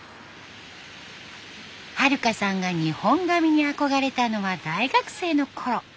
ハルカさんが日本髪に憧れたのは大学生のころ。